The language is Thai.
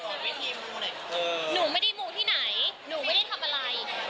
หนูไม่ได้มูลที่ไหนหนูไม่ได้ทำอะไร